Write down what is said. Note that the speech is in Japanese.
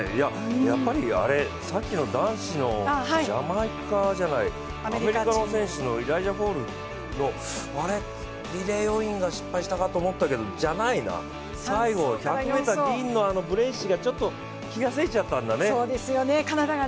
やっぱりさっきの男子のアメリカの選手のイライジャ・ホールの、リレー要員が失敗したかと思ったけどじゃないな、最後、１００ｍ銀のブレーシーがちょっと気がせいちゃったんだね。